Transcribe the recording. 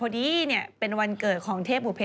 อเจมส์แม่ไม่หุบค่ะ